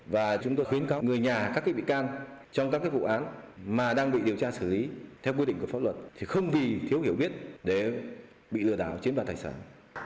và chúng tôi khuyến cáo người nhà các bị can trong các vụ án mà đang bị điều tra xử lý theo quy định của pháp luật thì không vì thiếu hiểu biết để bị lừa đảo chiếm đoạt tài sản